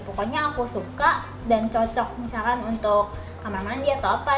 pokoknya aku suka dan cocok misalkan untuk kamar mandi atau apa